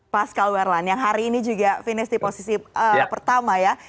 pascal werlan yang hari ini juga finish di posisi pertama ya